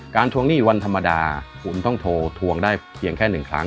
ทวงหนี้วันธรรมดาคุณต้องโทรทวงได้เพียงแค่๑ครั้ง